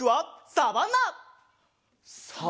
サバンナ？